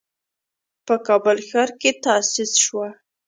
په کابل ښار کې تأسيس شوه.